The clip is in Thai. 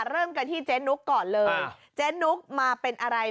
เริ่มกันที่เจ๊นุ๊กก่อนเลยเจ๊นุ๊กมาเป็นอะไร